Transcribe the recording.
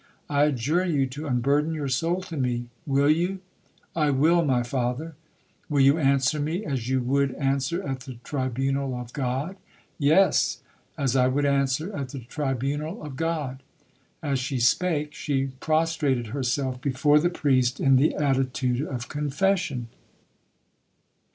I adjure you to unburden your soul to me,—will you?'—'I will, my father.'—'Will you answer me, as you would answer at the tribunal of God?'—'Yes,—as I would answer at the tribunal of God.' As she spake, she prostrated herself before the priest in the attitude of confession.